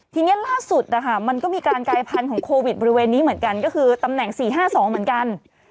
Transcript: ทีนี้ล่าสุดนะคะมันก็มีการกายพันธุ์ของโควิดบริเวณนี้เหมือนกันก็คือตำแหน่ง๔๕๒เหมือนกัน